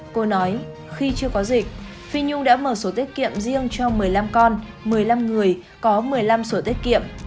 cô nói khi chưa có dịch phi nhung đã mở số tiết kiệm riêng cho một mươi năm con một mươi năm người có một mươi năm sổ tiết kiệm